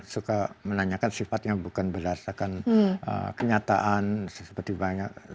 suka menanyakan sifatnya bukan berdasarkan kenyataan seperti banyak